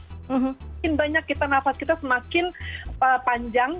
semakin banyak kita nafas kita semakin panjang